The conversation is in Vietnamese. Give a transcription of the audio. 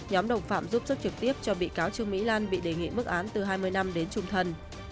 nhóm đồng phạm giúp sức trực tiếp cho bị cáo trương mỹ lan bị đề nghị mức án từ hai mươi năm đến trung thân